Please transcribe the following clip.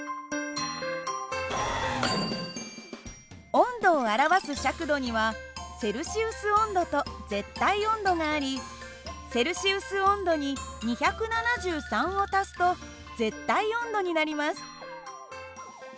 温度を表す尺度にはセルシウス温度と絶対温度がありセルシウス温度に２７３を足すと絶対温度になります。